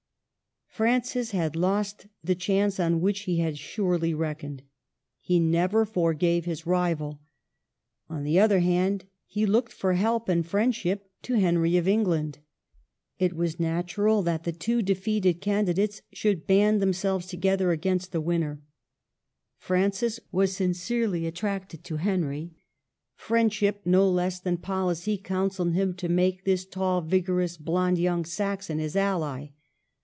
Francis had lost the chance on which he had surely reckoned. He never forgave his rival. THE YOUNG KING AND HIS RIVALS. 41 On the other hand, he looked for help and friendship to Henry of England. It was natural that the two defeated candidates should band themselves together against the winner. Francis was sincerely attracted to Henry. Friendship, no less than policy, counselled him to make this tall, vigorous, blond young Saxon his ally.